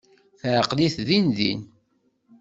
Teɛqel-it din din.